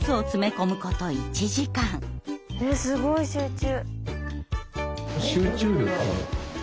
すごい集中。